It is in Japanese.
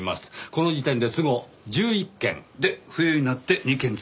この時点で都合１１件。で冬になって２件追加ですよね。